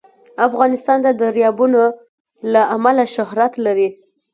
افغانستان د دریابونه له امله شهرت لري.